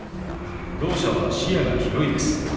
ろう者は視野が広いです。